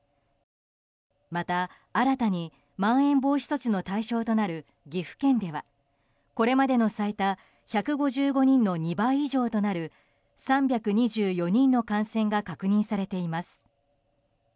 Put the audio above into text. また、新たにまん延防止措置の対象となる岐阜県ではこれまでの最多１５５人の２倍以上となる３２４人の感染が確認されています。